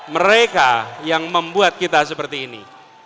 mereka yang membuat kita seperti ini